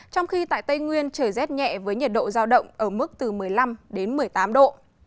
trong khi tại tây nguyên trời rét nhẹ với nhiệt độ giao động ở mức từ một mươi năm đến một mươi tám độ